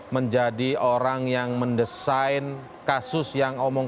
menjadi orang yang mendesain kasus yang omong